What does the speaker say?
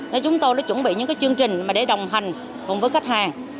nên chúng tôi đã chuẩn bị những chương trình để đồng hành cùng với khách hàng